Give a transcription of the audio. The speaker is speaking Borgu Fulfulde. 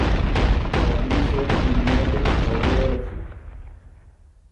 Oo liisoo timmoode asaweere fu.